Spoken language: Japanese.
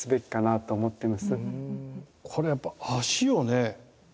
これやっぱ脚をね